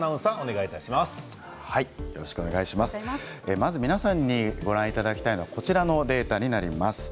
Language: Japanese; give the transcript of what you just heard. まず皆さんにご覧いただきたいのはこのデータです。